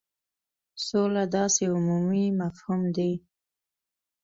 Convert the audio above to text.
سوله داسي عمومي مفهوم دی.